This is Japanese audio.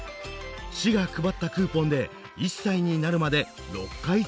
市が配ったクーポンで１歳になるまで６回使うことができます。